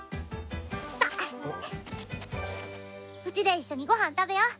さっうちで一緒にご飯食べよ。